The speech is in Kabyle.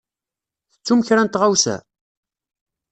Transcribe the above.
Tettum kra n tɣawsa?